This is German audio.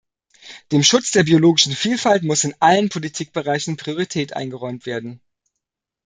Dem Schutz der biologischen Vielfalt muss in allen Politikbereichen Priorität eingeräumt werden.